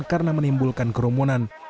karena menimbulkan kerumunan